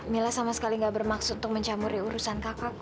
mila sama sekali gak bermaksud untuk mencamuri urusan kakak